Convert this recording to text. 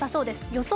予想